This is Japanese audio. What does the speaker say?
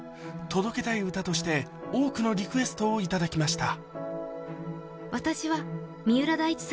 届けたい歌として多くのリクエストをいただきました。